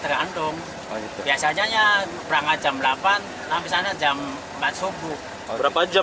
berapa jam kira kira berarti